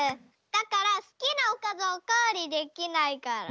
だからすきなおかずをおかわりできないから。